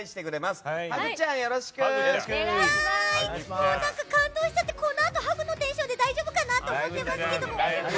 もう何か感動しちゃってこのあとハグのテンションで大丈夫かなと思ってますけども。